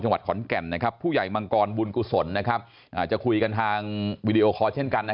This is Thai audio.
จังหวัดขอนแก่นผู้ใหญ่มังกรบุญกุศลจะคุยกันทางวีดีโอคอร์เช่นกัน